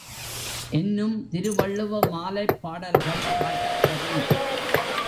என்னும் திருவள்ளுவ மாலைப் பாடல்கள் காட்டப்பெறும்.